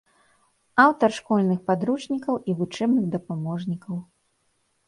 Аўтар школьных падручнікаў і вучэбных дапаможнікаў.